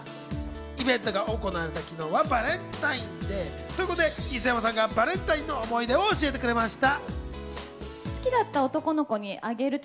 イベントが行われた昨日はバレンタインデーということで、磯山さんがバレンタインの思い出を教えてくれました。